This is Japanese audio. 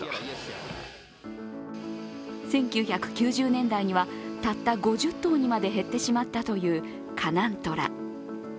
１９９０年代にはたった５０頭にまで減ってしまったという華南トラ。